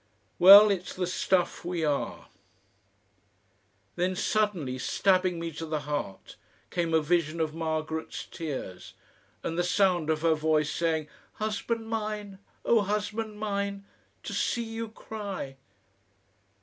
Well, it's the stuff we are!... Then suddenly, stabbing me to the heart, came a vision of Margaret's tears and the sound of her voice saying, "Husband mine! Oh! husband mine! To see you cry!"...